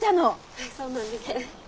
はいそうなんです。